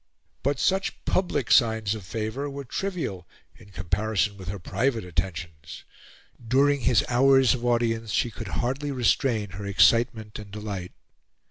But such public signs of favour were trivial in comparison with her private attentions. During his flours of audience, she could hardly restrain her excitement and delight.